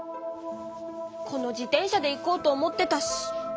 この自転車で行こうと思ってたし。